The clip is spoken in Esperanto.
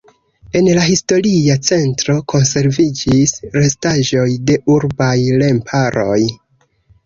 En la historia centro konserviĝis restaĵoj de urbaj remparoj.